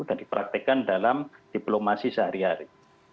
dan dipraktikkan dalam diplomasi sehari hari